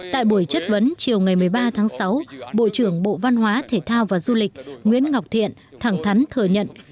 tại buổi chất vấn chiều ngày một mươi ba tháng sáu bộ trưởng bộ văn hóa thể thao và du lịch nguyễn ngọc thiện thẳng thắn thừa nhận